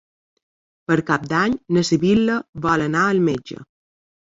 Per Cap d'Any na Sibil·la vol anar al metge.